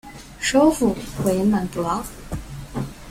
首府为曼布劳。